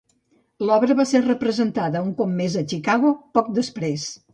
L'obra va ser representada un cop més a Chicago, poc després.